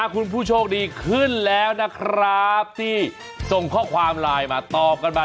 คุณผู้โชคดีขึ้นแล้วนะครับที่ส่งข้อความไลน์มาตอบกันมา